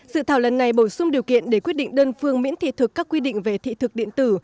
dự thảo lần này bổ sung điều kiện để quyết định đơn phương miễn thị thực các quy định về thị thực điện tử